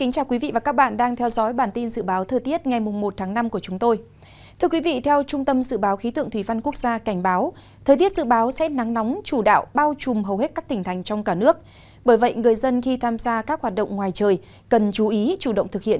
các bạn hãy đăng ký kênh để ủng hộ kênh của chúng mình nhé